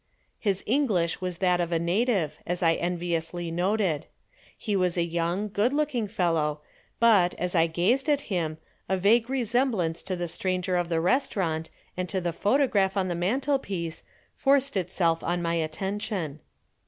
His English was that of a native, as I enviously noted. He was a young, good looking fellow, but, as I gazed at him, a vague resemblance to the stranger of the restaurant and to the photograph on the mantelpiece forced itself on my attention.